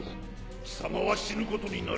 貴様は死ぬことになるぞ。